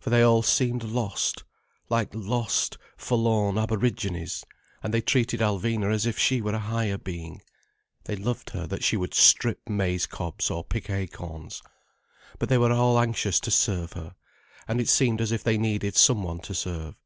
For they all seemed lost, like lost, forlorn aborigines, and they treated Alvina as if she were a higher being. They loved her that she would strip maize cobs or pick acorns. But they were all anxious to serve her. And it seemed as if they needed some one to serve.